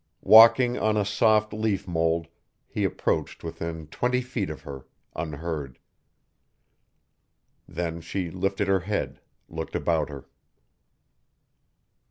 Walking on soft leaf mold he approached within twenty feet of her, unheard. Then she lifted her head, looked about her.